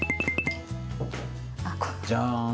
じゃん！